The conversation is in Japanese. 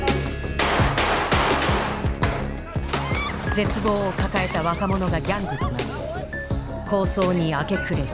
絶望を抱えた若者がギャングとなり抗争に明け暮れる。